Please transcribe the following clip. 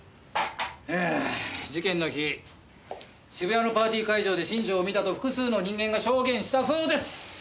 事件の日渋谷のパーティー会場で新庄を見たと複数の人間が証言したそうです！